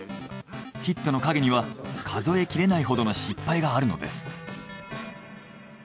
ヒットの影には数えきれないほどの失敗があるのです。